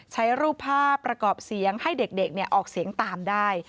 ใช้รูปภาพประกอบเสียงให้เด็กออกเสียงตามได้